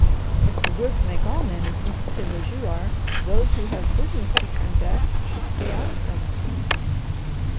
If the woods make all men as sensitive as you are, those who have business to transact should stay out of them.